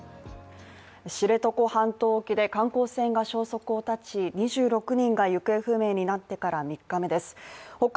知床半島沖で観光船が消息を絶ち、２６人が行方不明になってから３日目です